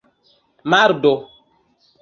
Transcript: mardo